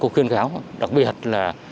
khuyên kháo đặc biệt là